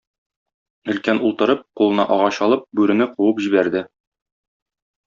Өлкән ул торып, кулына агач алып, бүрене куып җибәрде.